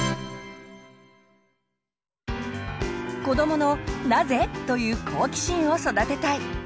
子どもの「なぜ？」という好奇心を育てたい！